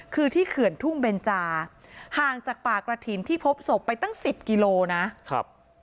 คือที่เขื่อนทุ่งเบนจาห่างจากป่ากระถิ่นที่พบศพไปตั้งสิบกิโลนะครับ